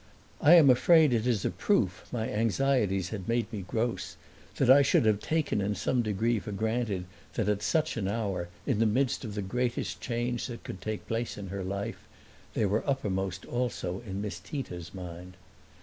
I am afraid it is a proof my anxieties had made me gross that I should have taken in some degree for granted that at such an hour, in the midst of the greatest change that could take place in her life, they were uppermost also in Miss Tita's mind.